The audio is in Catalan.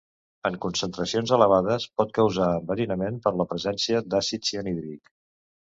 En concentracions elevades, pot causar enverinament per la presència d'àcid cianhídric.